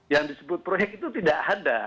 yang disebut proyek itu tidak ada